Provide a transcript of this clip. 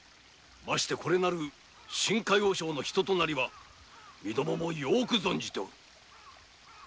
ましてこれなる真海和尚の人となりは身どももよく存じておる。